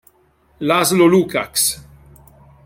László Lukács